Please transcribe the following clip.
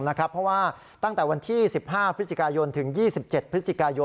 เพราะว่าตั้งแต่วันที่๑๕พยถึง๒๗พย